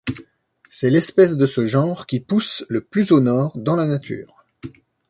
C'est l'espèce de ce genre qui pousse le plus au nord dans la nature.